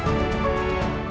bikin kalon di banjir